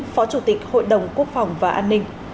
phó chủ tịch hội đồng quốc phòng và an ninh